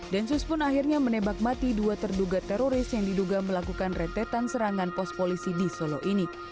densus pun akhirnya menembak mati dua terduga teroris yang diduga melakukan retetan serangan pos polisi